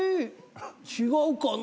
違うかな？